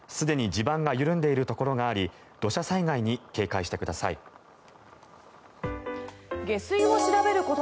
すでに地盤が緩んでいるところがあり土砂災害に警戒してください。